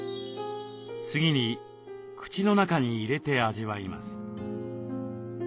次に口の中に入れて味わいます。